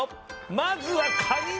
まずは。